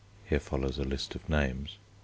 (here follows a list of names) ...